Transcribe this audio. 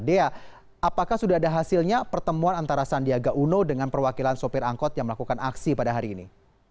dea apakah sudah ada hasilnya pertemuan antara sandiaga uno dengan perwakilan sopir angkot yang melakukan aksi pada hari ini